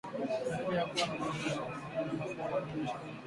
Dalili ya kuwa na ugonjwa wa mapafu ni mnyama kuwa na uvimbe shingoni unaouma